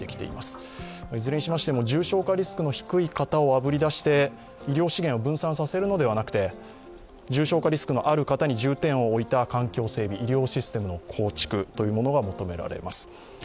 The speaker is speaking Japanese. いずれにしましても重症化リスクの低い方をあぶり出して医療資源を分散させるのではなくて重症化リスクのある方に重点を置いた環境整備、医療システムの構築が求められます。